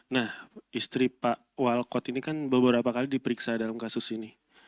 nah istri pak walkot ini kan beberapa kali diperiksa dalam kasus ini